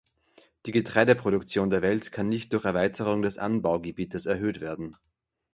Die Getreideproduktion der Welt kann nicht durch Erweiterung des Anbaugebiets erhöht werden.